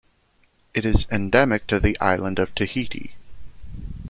It is endemic to the island of Tahiti.